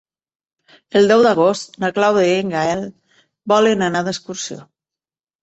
El deu d'agost na Clàudia i en Gaël volen anar d'excursió.